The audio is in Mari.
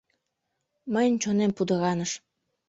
Мыйын чонем пудыраныш.